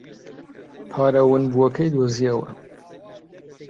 پارە ونبووەکەی دۆزییەوە.